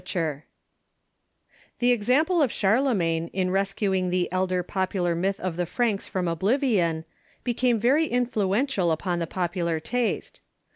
] The example of Charlemagne in rescuing the elder popular myth of the Franks from oblivion became very influential upon the popular taste.